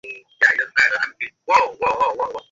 যেন একটা পাওনা শাস্তির অপেক্ষায়।